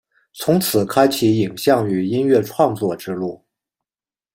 从此开启影像与音乐创作之路。